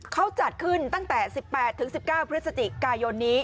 เขาจัดขึ้นตั้งแต่๑๘๑๙พฤศจิกายนนี้